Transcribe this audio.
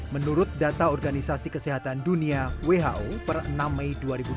menurut data organisasi kesehatan dunia who per enam mei dua ribu dua puluh